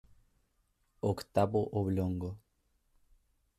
Octavo oblongo.